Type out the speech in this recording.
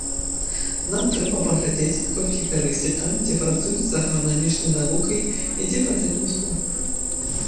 Нам трэба паглядзець, колькі карысці там, дзе працуюць з агранамічнай навукай і дзе па-дзедаўску.